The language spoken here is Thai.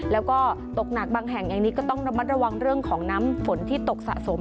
แล้วก็ตกหนักบางแห่งอย่างนี้ก็ต้องระมัดระวังเรื่องของน้ำฝนที่ตกสะสม